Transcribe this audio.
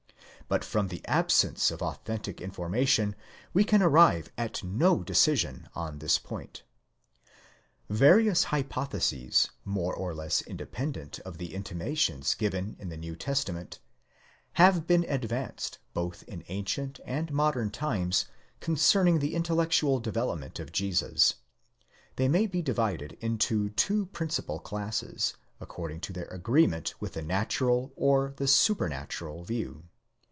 But from the absence of authentic information we can. arrive at no decision on this point. Various hypotheses, more or less independent of the intimations given in the New Testament, have been advanced both in ancient and modern times concerning the intellectual development of Jesus: they may be divided into two principal classes, according to their agreement with the natural or the supernatural view.